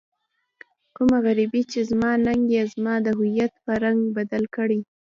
کومه غريبي چې زما ننګ يې زما د هويت په رنګ بدل کړی.